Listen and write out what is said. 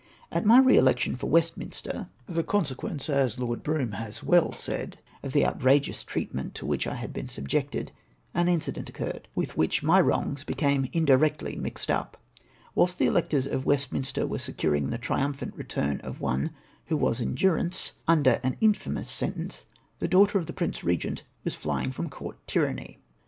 At my re election for Westminster — the consequence, as Lord Brougham has well said, of the outrageous treatment to which I had been subjected — ^an incident occurred with wliich my wrongs became indirectly mixed up. Wliilst the electors of Westminster were secm ins; the triumphant return of one who was in durance, under c o 4 392 TREATMENT OF TlIK PRINCESS CHARLOTTE, ail infamous sentence, the daiigliter of the Prince Ee gent was flying fi'om Court tyranny.